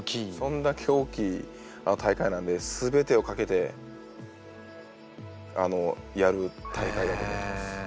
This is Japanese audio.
そんだけ大きい大会なんで全てを懸けてやる大会だと思ってます。